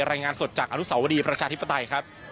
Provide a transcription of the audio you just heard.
รายงานสดจากอนุสาวรีประชาธิปไตยครับ